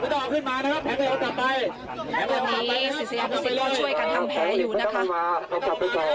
ตอนนี้ศิษยาพิสิทธิ์ก็ช่วยกันทำแพ้อยู่นะคะ